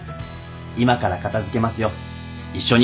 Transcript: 今から片付けますよ一緒に。